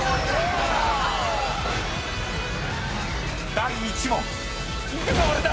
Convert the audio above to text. ［第１問］